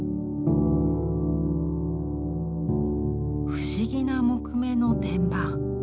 不思議な木目の天板。